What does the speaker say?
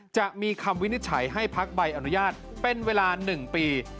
จะมีคำวินิจฉัยให้พักใบอนุญาตเป็นเวลา๑ปี